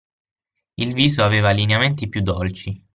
Il viso aveva lineamenti più dolci